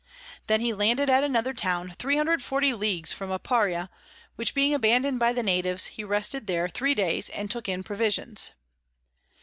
Then he landed at another Town 340 Leagues from Aparia, which being abandon'd by the Natives, he rested there three days, and took in Provisions.